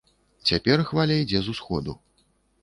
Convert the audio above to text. Цяпер хваля ідзе з усходу.